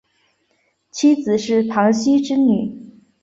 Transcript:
妻子是庞羲之女。